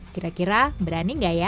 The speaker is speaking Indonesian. kira kira berani nggak ya